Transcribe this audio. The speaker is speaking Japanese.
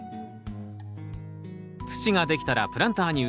土が出来たらプランターに移します。